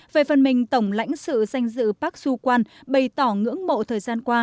về phần mình tổng lãnh sự danh dự park so hwan bày tỏ ngưỡng mộ thời gian qua